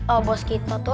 oh bos kita tuh